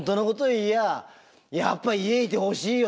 言ややっぱ家いてほしいよ